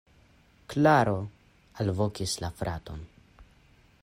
Klaro alvokis la fraton.